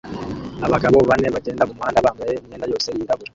Abagabo bane bagenda mumuhanda bambaye imyenda yose yirabura